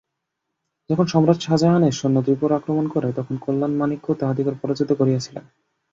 যখন সম্রাট শাজাহানের সৈন্য ত্রিপুরা আক্রমণ করে, তখন কল্যাণমাণিক্য তাহাদিগকে পরাজিত করিয়াছিলেন।